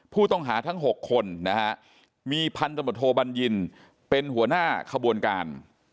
ผู้ต้องหาทั้ง๖คนนะฮะมีพันธมตโทบัญญินเป็นหัวหน้าขบวนการ